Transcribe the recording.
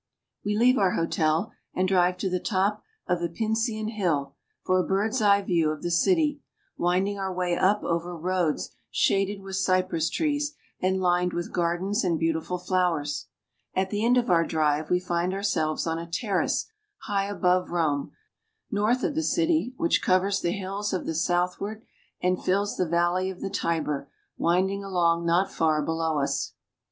We leave our hotel and drive to the top of the Pincian Hill for a bird's eye view of the city, winding our way up over roads shaded with cypress trees, and lined with gar dens and beautiful flowers. At the end of our drive we find ourselves on a terrace high above Rome, north of the city, which covers the hills to the southward and fills the valley of the Tiber winding along not far below us.